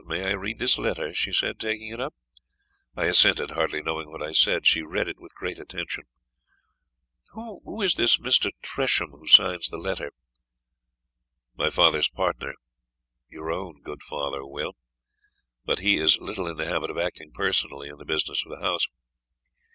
May I read this letter?" she said, taking it up. I assented, hardly knowing what I said. She read it with great attention. "Who is this Mr. Tresham, who signs the letter?" "My father's partner" (your own good father, Will) "but he is little in the habit of acting personally in the business of the house."